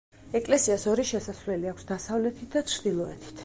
ეკლესიას ორი შესასვლელი აქვს: დასავლეთით და ჩრდილოეთით.